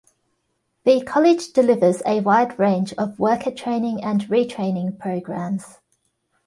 The college delivers a wide range of worker training and re-training programs.